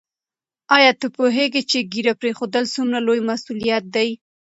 آیا ته پوهېږې چې ږیره پرېښودل څومره لوی مسؤلیت دی؟